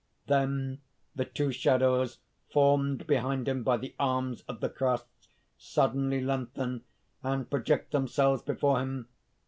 (_Then the two shadows formed behind him by the arms of the cross, suddenly lengthen and project themselves before him.